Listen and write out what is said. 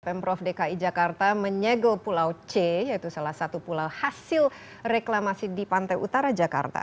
pemprov dki jakarta menyegel pulau c yaitu salah satu pulau hasil reklamasi di pantai utara jakarta